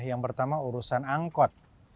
yang pertama urusan angkot